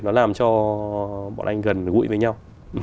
nó làm cho bọn anh gần gụi với nhau